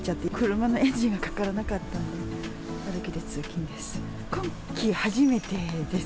車のエンジンがかからなかったんで、歩きで通勤です。